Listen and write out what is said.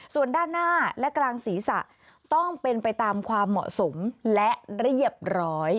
ส่วนด้านหน้าและกลางศีรษะต้องเป็นไปตามความเหมาะสมและเรียบร้อย